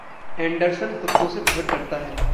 Anderson कुत्तों से बहुत डरता है।